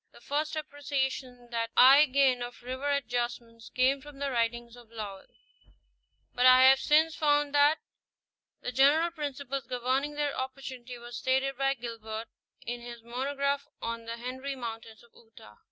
The first appreciation that I gained of river adjustments came from the writings of Léwl; but I have since found that the general principles governing their opportunity were stated by Gilbert in his monograph on the Henry Mountains of Utah (pp.